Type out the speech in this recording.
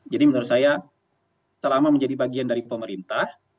jadi menurut saya selama menjadi bagian dari pemerintah